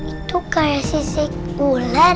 itu kayak sisik ular